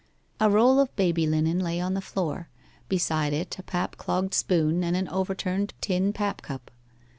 A roll of baby linen lay on the floor; beside it a pap clogged spoon and an overturned tin pap cup.